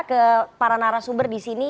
ke para narasumber di sini